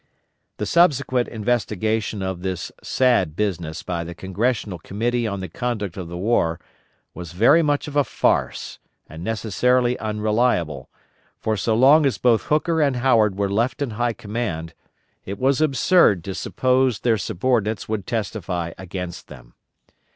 The subsequent investigation of this sad business by the Congressional Committee on the Conduct of the War was very much of a farce, and necessarily unreliable; for so long as both Hooker and Howard were left in high command, it was absurd to suppose their subordinates would testify against them.